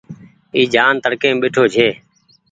اي جآن تڙڪي مين ٻيٺو ڇي۔